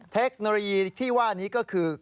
เทคโนโลยีที่ว่านี้ก็คือ